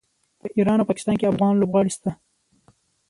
په ایران او پاکستان کې افغان لوبغاړي شته.